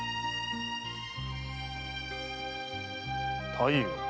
太夫。